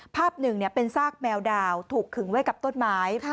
ภาพหนึ่งเป็นซากแมวดาวถูกขึงไว้กับต้นไม้